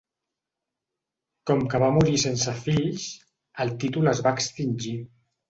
Com que va morir sense fills, el títol es va extingir.